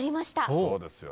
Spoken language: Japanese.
そうですよ。